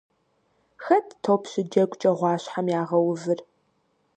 Хэт топ щыджэгукӀэ гъуащхьэм ягъэувыр?